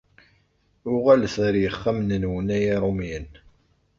Uɣalet ar yexxamen-nwen a yirumyen!